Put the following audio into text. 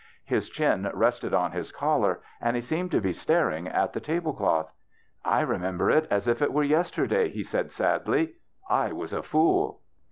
His chin rested on his collar, and he seemed to be staring at the table cloth. " I remember it as if it were yesterday," he said, sadly. " I was a fool."